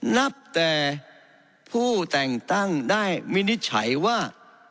นับแต่ผู้แต่งตั้งได้วินิจฉัยว่า